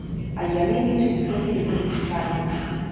А яны лічаць гэта недапушчальным.